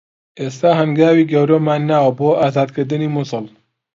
ئێستا هەنگاوی گەورەمان ناوە بۆ ئازادکردنی موسڵ